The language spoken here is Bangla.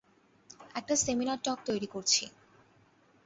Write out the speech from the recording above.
একটা সেমিনার টক তৈরি করছি।